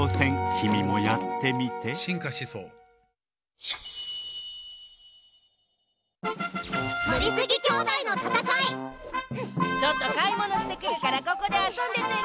きみもやってみてちょっとかいものしてくるからここであそんでてね。